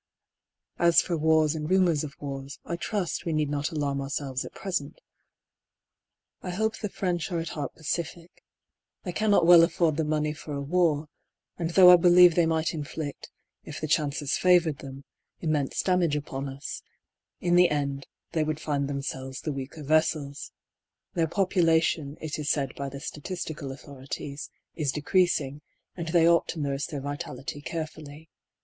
As for wars and rumours of wars, I trust we need not alarm ourselves at present. I hope the French are at heart pacific ; they cannot well afford the money for a war, and though I believe they might inflict, if the chances favoured them, immense damage upon us, in the end they would find themselves the weaker vessels. Their population, LONDOX 245 it is said by the statistical autlioi ities, is decreasing, and they ought to nurse their vitality carefully.